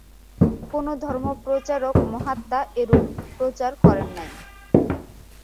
কোন ধর্মপ্রচারক মহাত্মা এরূপ প্রচার করেন নাই।